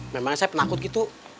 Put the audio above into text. memangnya saya penakut gitu